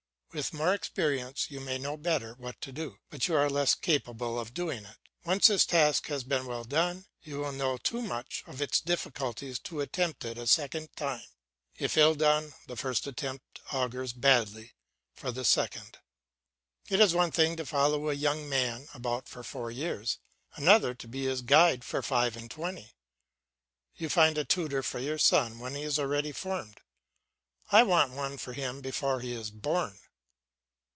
With more experience you may know better what to do, but you are less capable of doing it; once this task has been well done, you will know too much of its difficulties to attempt it a second time if ill done, the first attempt augurs badly for the second. It is one thing to follow a young man about for four years, another to be his guide for five and twenty. You find a tutor for your son when he is already formed; I want one for him before he is born.